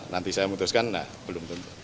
nanti saya memutuskan nah belum tentu